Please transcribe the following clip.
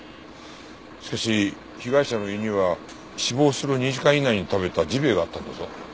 しかし被害者の胃には死亡する２時間以内に食べたジビエがあったんだぞ？